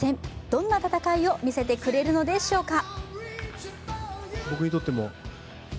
どんな戦いを見せてくれるのでしょうか。